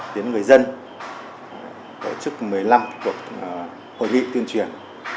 đến người dân tổ chức một mươi năm cuộc hội nghị tuyên truyền